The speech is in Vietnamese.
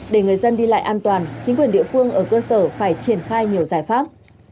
để người dân đi lại an toàn chính quyền địa phương ở cơ sở phải triển khai nhiều giải pháp